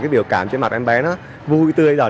cái biểu cảm trên mặt em bé nó vui tươi